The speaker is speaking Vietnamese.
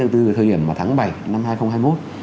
từ thời điểm tháng bảy năm hai nghìn hai mươi một